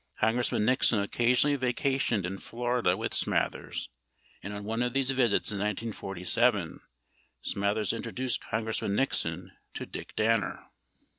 Congressman Nixon occasionally vacationed in Florida with Smathers, and on one of these visits in 1947. Smathers introduced Congressman Nixon to Dick Danner.